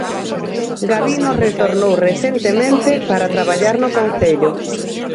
Gabino retornou recentemente para traballar no Concello.